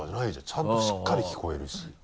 ちゃんとしっかり聞こえるし。